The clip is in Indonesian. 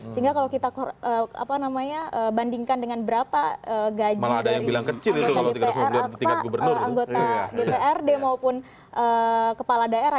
sehingga kalau kita bandingkan dengan berapa gaji dari anggota dprd maupun kepala daerah